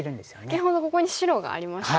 先ほどここに白がありましたよね。